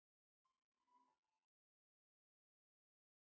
lo udah ngerti